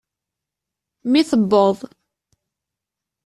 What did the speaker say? Mi tewweḍ.